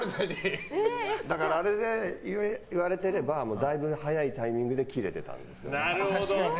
だから、あれで言われていればだいぶ早いタイミングで切れてたんですよ。